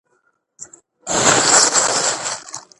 دې يونليک ليکلو په مهال له کومو ځايونو څخه ليدنه کړې